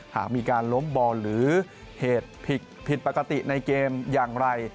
หากมีการล้มบอลหรือเหตุผิดปกติในเกมอย่างไร